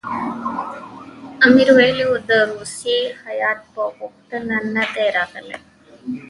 امیر ویلي وو د روسیې هیات په غوښتنه نه دی راغلی.